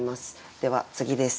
では次です。